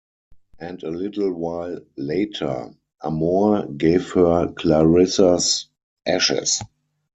And a little while later, Amor gave her Clarissa's ashes.